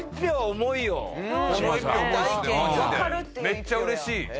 めっちゃ嬉しい！